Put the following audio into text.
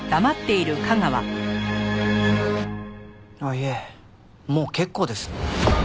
いえもう結構です。